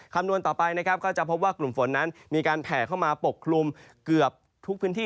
คำนวณต่อไปนะครับก็จะพบว่ากลุ่มฝนนั้นมีการแผ่เข้ามาปกคลุมเกือบทุกพื้นที่